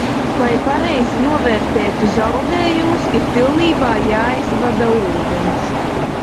Lai pareizi novērtētu zaudējumus, ir pilnībā jāaizvada ūdens.